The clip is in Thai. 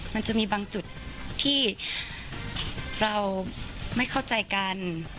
มันจะมีบางจุดที่เราไม่เข้าใจกัน